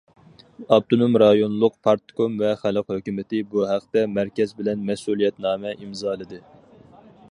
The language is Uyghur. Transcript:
ئاپتونوم رايونلۇق پارتكوم ۋە خەلق ھۆكۈمىتى بۇ ھەقتە مەركەز بىلەن مەسئۇلىيەتنامە ئىمزالىدى.